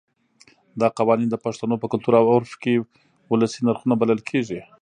دا قوانین د پښتنو په کلتور او عرف کې ولسي نرخونه بلل کېږي.